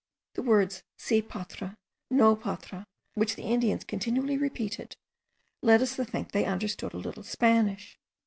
The words si, patre; no, patre; which the Indians continually repeated, led us to think they understood a little Spanish.